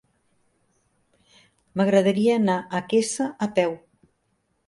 M'agradaria anar a Quesa a peu.